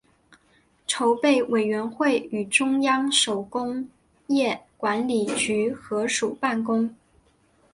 筹备委员会与中央手工业管理局合署办公。